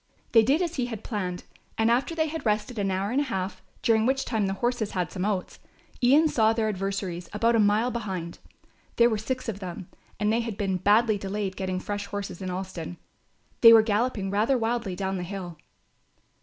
They did as he had planned, and after they had rested an hour and a half, during which time the horses had some oats, Ian saw their adversaries about a mile behind. There were six of them and they had been badly delayed getting fresh horses in Alston. They were galloping rather wildly down the hill.